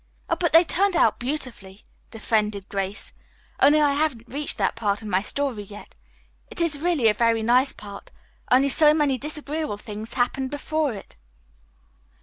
"But they turned out beautifully," defended Grace, "only I haven't reached that part of my story yet. It is really a very nice part, only so many disagreeable things happened before it."